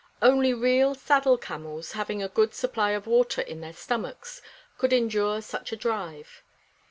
Only real saddle camels, having a good supply of water in their stomachs, could endure such a drive.